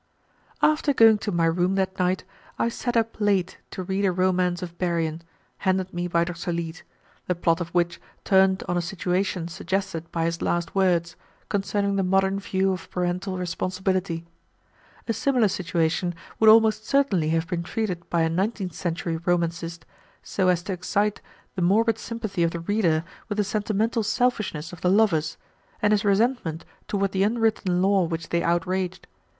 After going to my room that night, I sat up late to read a romance of Berrian, handed me by Dr. Leete, the plot of which turned on a situation suggested by his last words, concerning the modern view of parental responsibility. A similar situation would almost certainly have been treated by a nineteenth century romancist so as to excite the morbid sympathy of the reader with the sentimental selfishness of the lovers, and his resentment toward the unwritten law which they outraged.